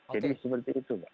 jadi seperti itu